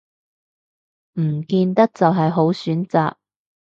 唔見得就係好選擇